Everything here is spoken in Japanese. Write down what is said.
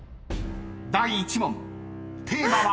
［第１問テーマは］